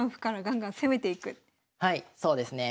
はいそうですね。